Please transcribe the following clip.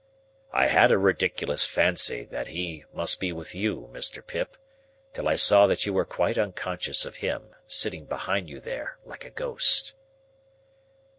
"I had a ridiculous fancy that he must be with you, Mr. Pip, till I saw that you were quite unconscious of him, sitting behind you there like a ghost."